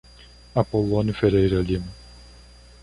Apolonio Ferreira Lima